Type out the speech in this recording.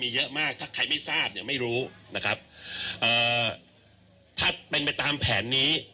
เยอะมากถ้าใครไม่ทราบเนี่ยไม่รู้นะครับเอ่อถ้าเป็นไปตามแผนนี้